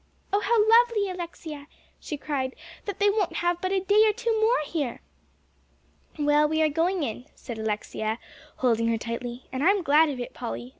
"Oh, how lovely, Alexia," she cried, "that they won't have but a day or two more here!" "Well, we are going in," said Alexia, holding her tightly, "and I'm glad of it, Polly.